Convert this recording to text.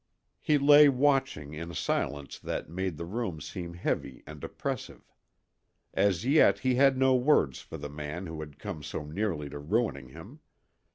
He lay watching in a silence that made the room seem heavy and oppressive. As yet he had no words for the man who had come so nearly to ruining him.